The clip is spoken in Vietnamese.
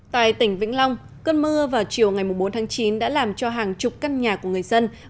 tại tỉnh vĩnh long cơn mưa vào chiều ngày bốn tháng chín đã làm cho hàng chục căn nhà của người dân